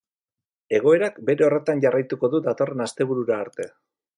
Egoerak bere horretan jarraituko du datorren asteburura arte.